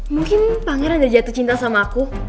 mungkin pangeran ada jatuh cinta sama aku